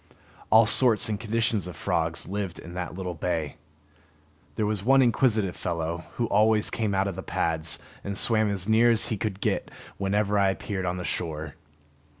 All sorts and conditions of frogs lived in that little bay. There was one inquisitive fellow, who always came out of the pads and swam as near as he could get whenever I appeared on the shore.